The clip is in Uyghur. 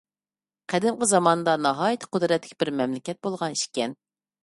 قەدىمكى زاماندا ناھايىتى قۇدرەتلىك بىر مەملىكەت بولغان ئىكەن.